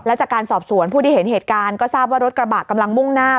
และจากการสอบสวนผู้ที่เห็นเหตุการณ์ก็ทราบว่ารถกระบะกำลังมุ่งหน้า